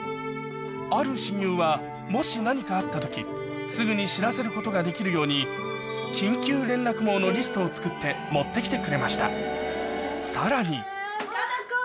ある親友はもし何かあった時すぐに知らせることができるようにのリストを作って持ってきてくれました